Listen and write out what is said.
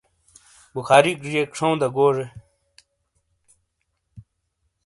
بخاریک جیک شاؤں داگوجے۔